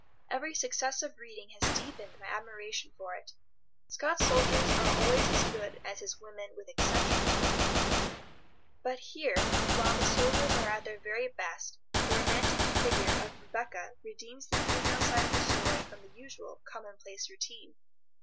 Every successive reading has deepened my admiration for it. Scott's soldiers are always as good as his women (with exceptions) are weak; but here, while the soldiers are at their very best, the romantic figure of Rebecca redeems the female side of the story from the usual commonplace routine.